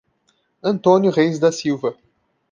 Antônio Reis da Silva